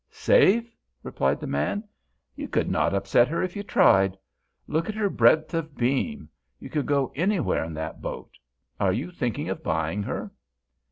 "Safe?" replied the man. "You could not upset her if you tried. Look at her breadth of beam! You could go anywhere in that boat! Are you thinking of buying her?"